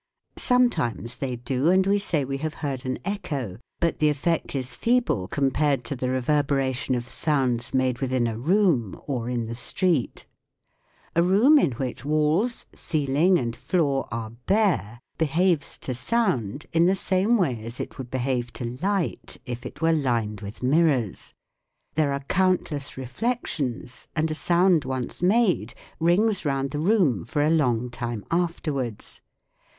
Sometimes they do, and we say we have heard an echo. But the effect is feeble compared to the reverberation of sounds made within a room or in the street. A room in which walls, ceiling, and floor are bare behaves to sound in the same way as it would behave to light if it were lined with mirrors. There are countless reflections, and a sound once made rings round the room for a long time afterwards.